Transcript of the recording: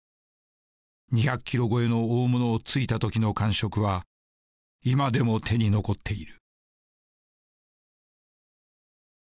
２００キロ超えの大物を突いたときの感触は今でも手に残っている。